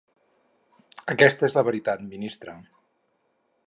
Aquesta és la veritat, ministre…